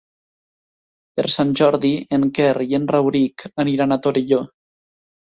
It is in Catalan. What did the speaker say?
Per Sant Jordi en Quer i en Rauric aniran a Torelló.